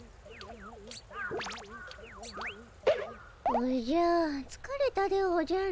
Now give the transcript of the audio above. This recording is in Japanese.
おじゃつかれたでおじゃる。